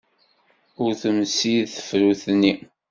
Ur temsid tefrut-nni.